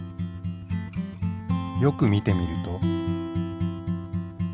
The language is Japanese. よく見てみると。